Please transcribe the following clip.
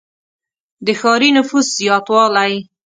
• د ښاري نفوس زیاتوالی.